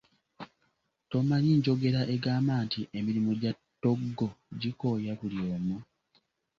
Tomanyi njogera egamba nti, "Emirimu gya ttoggo gikooya buli omu"